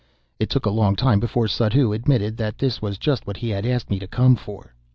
It took a long time before Suddhoo admitted that this was just what he had asked me to come for.